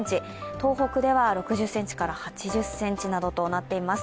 東北では６０ｃｍから８０ｃｍなどとなっています。